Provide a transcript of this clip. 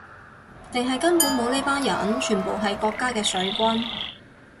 定係根本冇呢班人，全部係國家嘅水軍